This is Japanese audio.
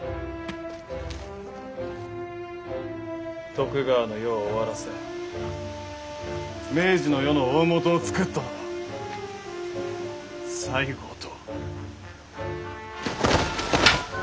徳川の世を終わらせ明治の世の大本をつくったのは西郷と。